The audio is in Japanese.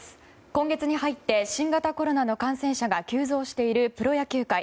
今月に入って新型コロナの感染者が急増しているプロ野球界。